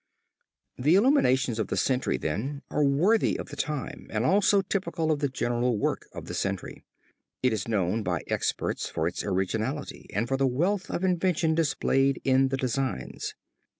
The illuminations of the century then are worthy of the time and also typical of the general work of the century. It is known by experts for its originality and for the wealth of invention displayed in the designs.